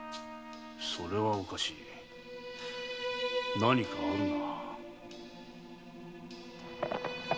それはおかしい何かあるな。